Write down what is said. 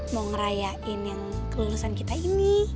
mau ngerayain yang kelulusan kita ini